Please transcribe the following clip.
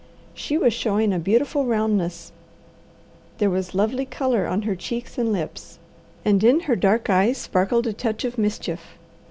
She was showing a beautiful roundness, there was lovely colour on her cheeks and lips, and in her dark eyes sparkled a touch of mischief.